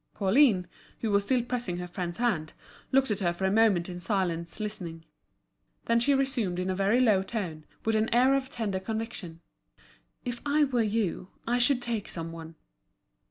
Pauline, who was still pressing her friend's hand, looked at her for a moment in silence, listening. Then she resumed in a very low tone, with an air of tender conviction: "If I were you I should take some one."